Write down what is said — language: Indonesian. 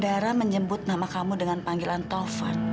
dan saya menyebut nama kamu dengan panggilan taufan